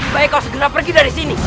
baik kau segera pergi dari sini